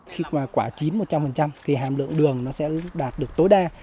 khi mà quả chín một trăm linh thì hàm lượng đường nó sẽ đạt được tối đa